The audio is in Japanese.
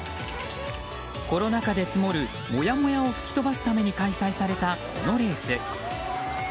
コロナ禍で積もるモヤモヤを吹き飛ばすために開催されたこのレース。